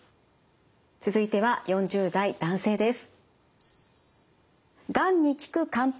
続いては４０代男性です。